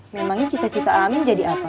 memangnya cita cita amin jadi apa